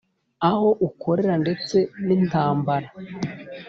aho ukorera ndetse n’intambara